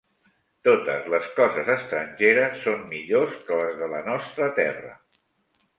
Totes les coses estrangeres són millors que les de la nostra terra.